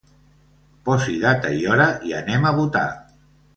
Posi data i hora i anem a votar.